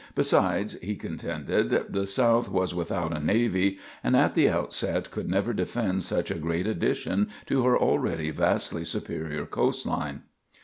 Besides, he contended, the South was without a navy, and at the outset could never defend such a great addition to her already vastly superior coast line.